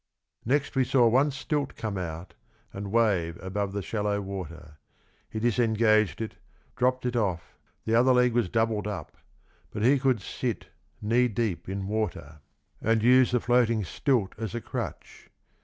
Next we saw one stilt come out, and wave above the shallow water. He disengaged it, dropped it oif. The other leg was doubled up, but he could sit knee deep in water, and use the floating stilt as a crutch.